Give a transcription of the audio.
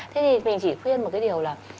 thế thì mình chỉ khuyên một cái điều là